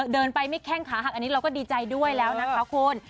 เดินไปไม่แข้งขาหักอันนี้เราก็ดีใจด้วยแล้วนะคะคุณ